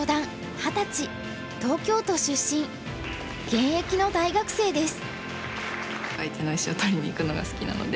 現役の大学生です。